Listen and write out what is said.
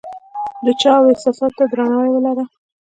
د چا و احساساتو ته درناوی ولره !